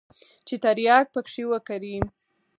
چې ترياک پکښې وکري.